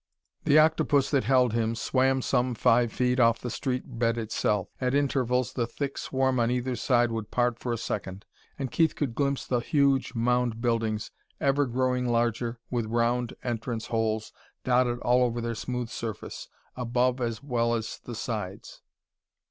The octopus that held him swam some five feet off the street bed itself; at intervals the thick swarm on either side would part for a second, and Keith could glimpse the huge mound buildings, ever growing larger, with round entrance holes dotted all over their smooth surface, above as well as the sides.